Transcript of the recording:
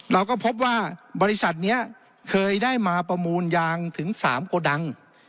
เราก็พบว่าบริษัทนี้เคยได้มาประมูลยางถึง๓โกดัง